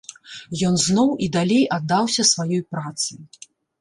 Ён зноў і далей аддаўся сваёй працы.